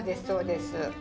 そうです。